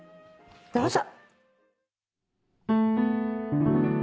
どうぞ。